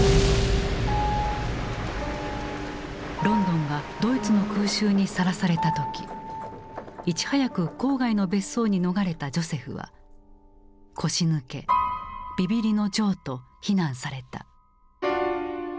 ロンドンがドイツの空襲にさらされた時いち早く郊外の別荘に逃れたジョセフは「腰抜け」「びびりのジョー」と非難された。